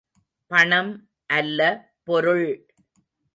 பணம் அல்ல பொருள்!